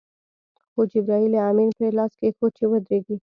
خو جبرائیل امین پرې لاس کېښود چې ودرېږي.